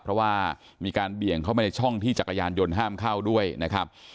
เพราะว่ามีการเบี่ยงเข้ามาในช่องที่จักรยานยนต์ห้ามเข้าด้วยนะครับ